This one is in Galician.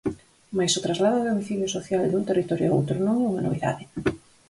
Mais o traslado de domicilio social dun territorio a outro non é unha novidade.